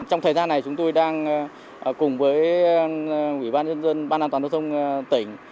trong thời gian này chúng tôi đang cùng với ủy ban nhân dân ban an toàn giao thông tỉnh